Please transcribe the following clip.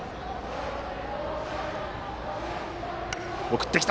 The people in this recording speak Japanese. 送ってきた。